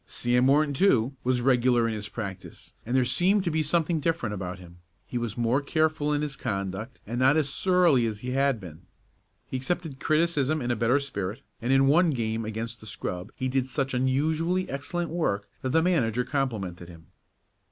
Sam Morton, too, was regular in his practice, and there seemed to be something different about him. He was more careful in his conduct, and not as surly as he had been. He accepted criticism in a better spirit, and in one game against the scrub he did such unusually excellent work that the manager complimented him.